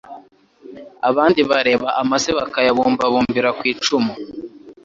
Abandi bareba amase bakayabumababumbira ku icumu,